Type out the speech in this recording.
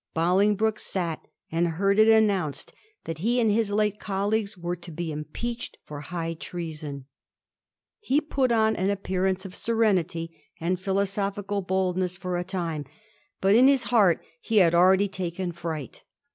Bolingbroke sat and heard it announced that he and his late colleague were to be impeached for high treason. He put on an ap pearance of serenity and philosophic boldness for a time, but in his heart he had already taken fright.